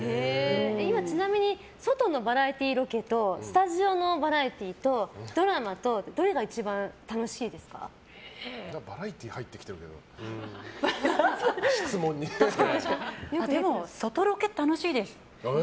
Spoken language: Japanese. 今、ちなみに外のバラエティーロケとスタジオのバラエティーとドラマとバラエティーでも、外ロケ楽しいです。